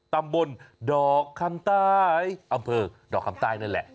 ตำบลดอกคำใต้อำเภอดอกคำใต้นั่นแหละ